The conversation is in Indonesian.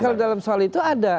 kalau dalam soal itu ada